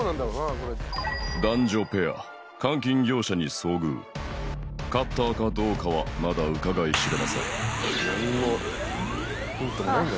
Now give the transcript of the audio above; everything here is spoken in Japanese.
これ男女ペア換金業者に遭遇カッターかどうかはまだうかがい知れません